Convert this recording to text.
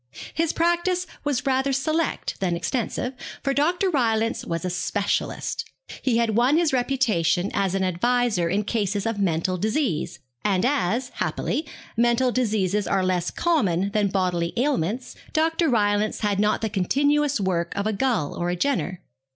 His practice was rather select than extensive, for Dr. Rylance was a specialist. He had won his reputation as an adviser in cases of mental disease; and as, happily, mental diseases are less common than bodily ailments, Dr. Rylance had not the continuous work of a Gull or a Jenner.